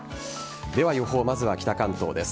では、予報まずは北関東です。